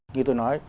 như tôi nói